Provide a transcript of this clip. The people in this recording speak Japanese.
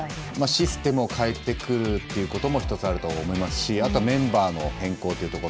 システムを変えてくるっていうことも１つあるとは思いますしあとはメンバーの変更というとこ